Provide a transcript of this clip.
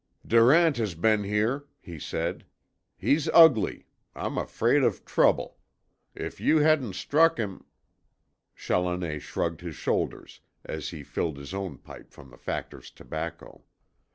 "Durant has been here," he said. "He's ugly. I'm afraid of trouble. If you hadn't struck him " Challoner shrugged his shoulders as he filled his own pipe from the Factor's tobacco.